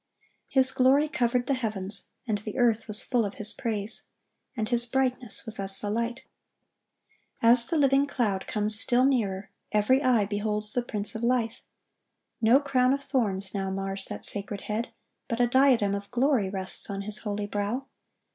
"His glory covered the heavens, and the earth was full of His praise. And His brightness was as the light."(1104) As the living cloud comes still nearer, every eye beholds the Prince of life. No crown of thorns now mars that sacred head, but a diadem of glory rests on His holy brow.